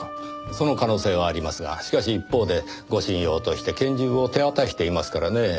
その可能性はありますがしかし一方で護身用として拳銃を手渡していますからねぇ。